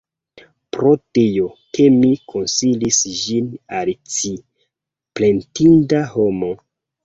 Pro tio, ke mi konsilis ĝin al ci, plendinda homo!